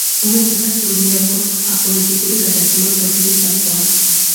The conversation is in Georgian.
უმეტესად ცნობილია, როგორც აპოლიტიკური გადაცემა „პროფილის“ წამყვანი.